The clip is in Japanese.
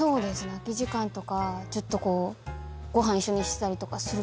空き時間とかちょっとこうご飯一緒にしたりとかするときとか。